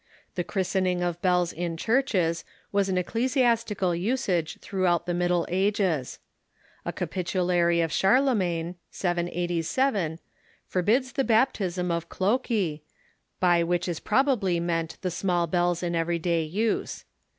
The christening of bells in churches was an ecclesiastical usage throughout the Middle Ages. A Capitulary of Charlemagne (787) forbids the baptism of cloccae, by which is probably meant the small bells in every day use.